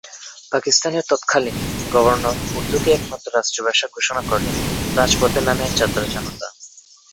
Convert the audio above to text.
পাকিস্তানের তৎকালীন গভর্ণর উর্দুকে একমাত্র রাষ্ট্রিভাষা ঘোষণা করলে রাজপথে নামে ছাত্র জনতা।